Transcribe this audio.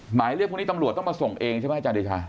หมายเรียกพวกนี้ตำรวจต้องมาส่งเองใช่ไหมอาจารย์เดชา